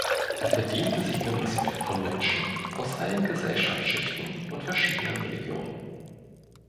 Er verdiente sich den Respekt von Menschen aus allen Gesellschaftsschichten und verschiedenen Religionen.